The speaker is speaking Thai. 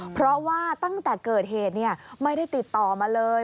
เพราะว่าตั้งแต่เกิดเหตุไม่ได้ติดต่อมาเลย